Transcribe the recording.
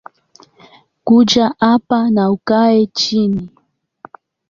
Kuja hapa na ukae chini